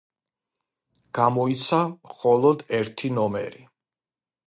გამოიცა მხოლოდ ერთი ნომერი.